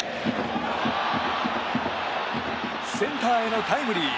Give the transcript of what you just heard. センターへのタイムリー！